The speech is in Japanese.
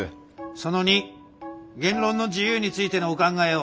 「その２言論の自由についてのお考えを」。